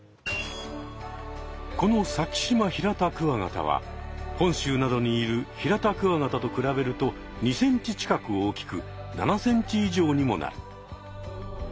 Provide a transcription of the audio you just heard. このサキシマヒラタクワガタは本州などにいるヒラタクワガタと比べると２ｃｍ近く大きく７ｃｍ以上にもなる。